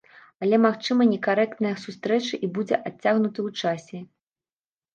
Але, магчыма, некарэктная сустрэча і будзе адцягнутая ў часе.